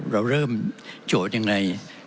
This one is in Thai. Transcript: เราเริ่มโจทย์ยังไง